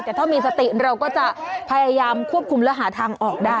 แต่ถ้ามีสติเราก็จะพยายามควบคุมและหาทางออกได้